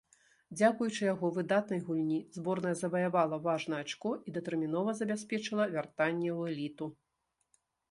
Дзякуючы яго выдатнай гульні, зборная заваявала важнае ачко і датэрмінова забяспечыла вяртанне ў эліту.